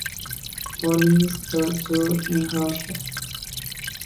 Police Torture in Russia.